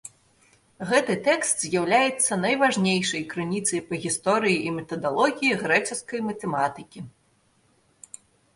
Гэты тэкст з'яўляецца найважнейшай крыніцай па гісторыі і метадалогіі грэчаскай матэматыкі.